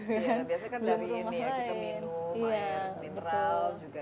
iya biasanya kan dari ini ya kita minum air mineral juga